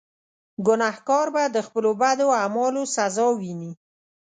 ګناهکار به د خپلو بدو اعمالو سزا ویني.